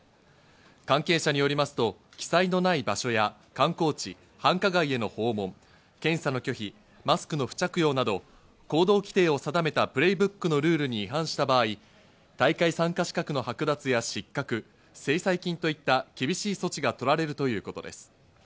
関係者によりますと、記載のない場所や観光地、繁華街への訪問、検査の拒否、マスクの不着用など行動規定を定めたプレイブックのルールに違反した場合、大会参加資格の剥奪や失格、制裁金といった厳しい措置が取られるということです。